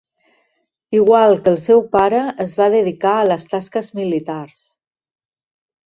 Igual que el seu pare, es va dedicar a les tasques militars.